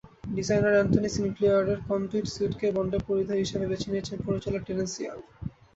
Designer Anthony সিনক্লেয়ারের conduit স্যুটকেই বন্ডের পরিধেয় হিসেবে বেছে নিয়েছিলেন পরিচালক টেরেন্স ইয়াং।